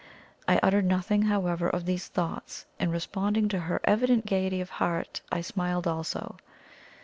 I uttered nothing, however, of these thoughts, and responding to her evident gaiety of heart, I smiled also.